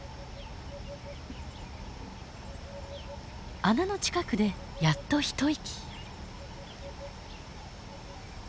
穴の近くでやっと一息。